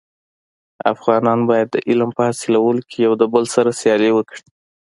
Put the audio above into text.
افغانان باید د علم په حاصلولو کي يو دبل سره سیالي وکړي.